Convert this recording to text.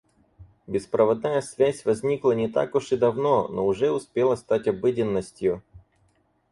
Беспроводная связь возникла не так уж и давно, но уже успела стать обыденностью.